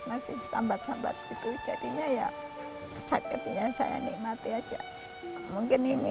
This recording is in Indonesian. masih sambat sambat gitu jadinya ya sakitnya saya nikmati aja mungkin ini